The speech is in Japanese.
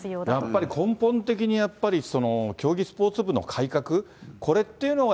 やっぱり根本的に、やっぱりその競技スポーツ部の改革、これっていうのは